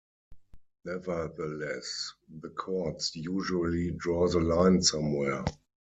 Nevertheless, the courts usually draw the line somewhere.